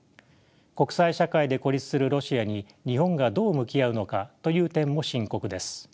国際社会で孤立するロシアに日本がどう向き合うのかという点も深刻です。